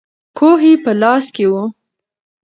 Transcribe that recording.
کوهی په لاس کې وو.